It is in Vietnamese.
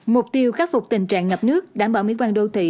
mục tiêu khắc phục tình trạng ngập nước đảm bảo miễn quan đô thị